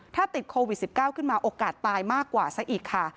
ถ้าติดโควิด๑๙ขึ้นมาโอกาสตายมากกว่าซะอีกค่ะ